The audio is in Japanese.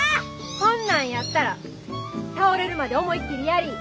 ほんなんやったら倒れるまで思いっきりやりい。